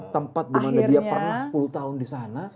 tempat dimana dia pernah sepuluh tahun disana